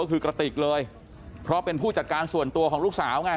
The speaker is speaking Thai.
ก็คือกระติกเลยเพราะเป็นผู้จัดการส่วนตัวของลูกสาวไง